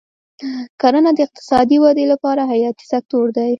کرنه د اقتصادي ودې لپاره حیاتي سکتور دی.